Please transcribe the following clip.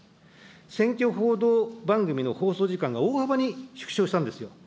選挙報道番組の放送時間が大幅に縮小したんですよ。